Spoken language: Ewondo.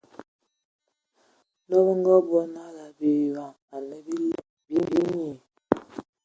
Ndɔ bǝ ngabɔ nala biyon anǝ bila binyii.